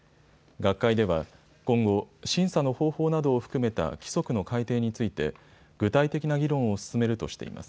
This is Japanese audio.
学会では今後、審査の方法などを含めた規則の改定について具体的な議論を進めるとしています。